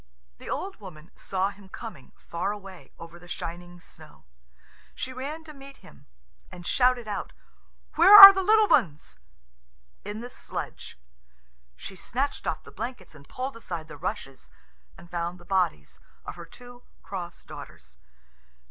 The old woman saw him coming, far away, over the shining snow. She ran to meet him, and shouted out, "Where are the little ones?" "In the sledge." She snatched off the blankets and pulled aside the rushes, and found the bodies of her two cross daughters.